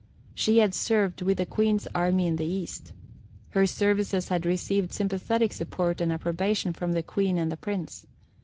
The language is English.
She had served with the Queen's army in the East. Her services had received sympathetic support and approbation from the Queen and the Prince.